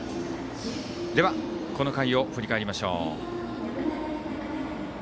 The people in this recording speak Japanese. この回を振り返りましょう。